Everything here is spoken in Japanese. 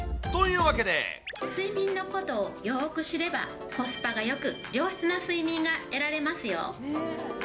睡眠のことをよーく知れば、コスパがよく、良質な睡眠が得られますよ。